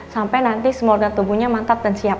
sampai nanti semua organ tubuhnya mantap dan siap